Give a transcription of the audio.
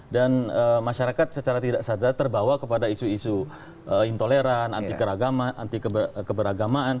dan masyarakat secara tidak sadar terbawa kepada isu isu intoleran anti keragaman anti keberagaman